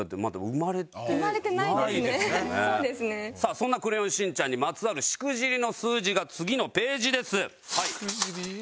そんな『クレヨンしんちゃん』にまつわるしくじりの数字が次のページです。